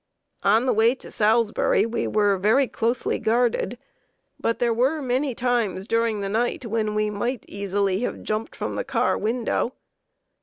'" On the way to Salisbury we were very closely guarded, but there were many times during the night when we might easily have jumped from the car window.